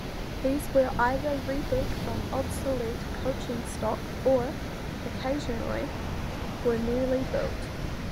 These were either rebuilt from obsolete coaching stock or, occasionally, were newly built.